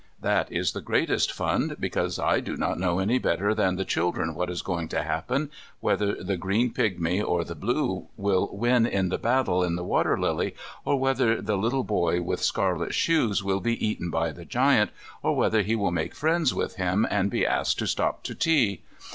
That is the greatest fun, because I do not know any better than the children what is going to happen, whether the green pigmy or the blue will win in the battle in the water lily, or whether the little boy with scarlet shoes will be eaten by the giant, or whether he will make friends with him and be asked to stop to tea.